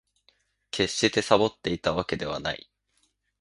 決してサボっていたわけではない